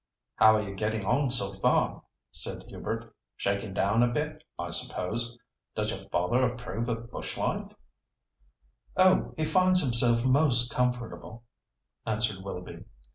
"How are you getting on so far?" said Hubert. "Shaking down a bit, I suppose. Does your father approve of bush life?" "Oh, he finds himself most comfortable," answered Willoughby.